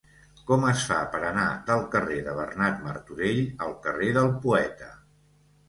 Com es fa per anar del carrer de Bernat Martorell al carrer del Poeta?